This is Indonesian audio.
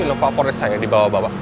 gila pak forrest sayangnya di bawah bawah